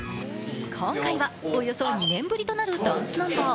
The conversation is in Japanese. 今回は、およそ２年ぶりとなるダンスナンバー。